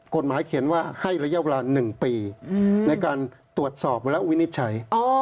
กฎหมายเขียนว่าให้ระยะเวลา๑ปีในการตรวจสอบเวลาวินิจฉัย